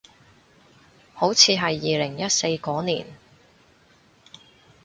好似係二零一四嗰年